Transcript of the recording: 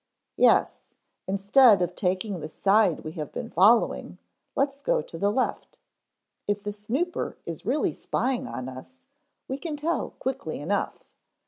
"Yes. Instead of taking the side we have been following, let's go to the left. If the snooper is really spying on us we can tell quickly enough.